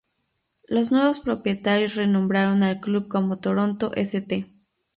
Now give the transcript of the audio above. Los nuevos propietarios renombraron al club como "Toronto St.